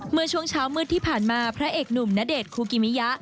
เมื่อช่วงเช้ามืดที่ผ่านมาพระเอกหนุ่มณเดชนคูกิมิยะ